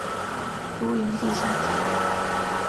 都营地下铁